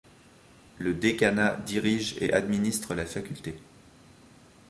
Le décanat dirige et administre la Faculté.